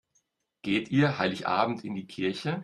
Geht ihr Heiligabend in die Kirche?